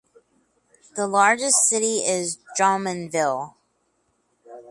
The largest city is Drummondville.